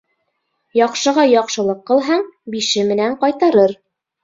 Яҡшыға яҡшылыҡ ҡылһаң, бише менән ҡайтарыр.